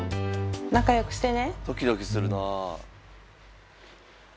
仲よくしてね。